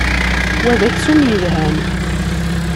Wa d aksum yelhan.